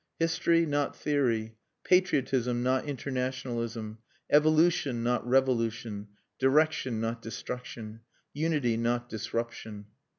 History not Theory. Patriotism not Internationalism. Evolution not Revolution. Direction not Destruction. Unity not Disruption.